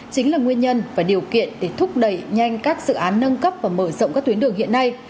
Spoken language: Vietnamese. chính là nguyên nhân và điều kiện để thúc đẩy nhanh các dự án nâng cấp và mở rộng các tuyến đường hiện nay